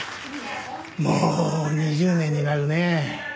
もう２０年になるねえ。